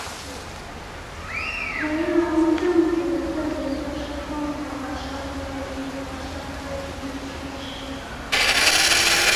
裴隆政府的特点就是混合了社团主义和社会福利措施。